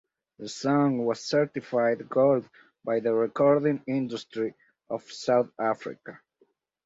The song was certified Gold by the Recording Industry of South Africa.